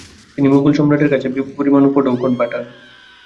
তিনি মুঘল সম্রাটের কাছে বিপুল পরিমাণ উপঢৌকন পাঠান।